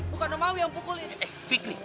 bukan omawi yang pukul ini